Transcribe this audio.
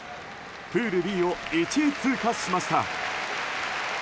プールＢを１位通過しました。